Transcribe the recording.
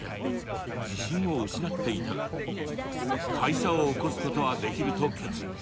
自信を失っていたが会社を興すことはできると決意。